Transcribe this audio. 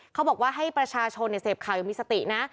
เขาบอกว่าให้ประชาชนเสพข่าวยังมีสตินะ